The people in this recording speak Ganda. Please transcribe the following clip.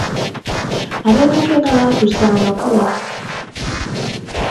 Ab’e Katwe nga batuusa amakula.